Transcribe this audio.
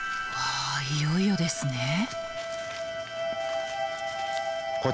わあいよいよですね。